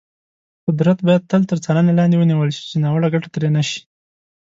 قدرت باید تل تر څارنې لاندې ونیول شي، چې ناوړه ګټه ترې نه شي.